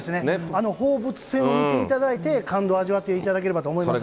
あの放物線を見ていただいて、感動を味わっていただきたいと思いますね。